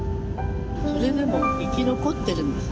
それでも生き残ってるんですもん。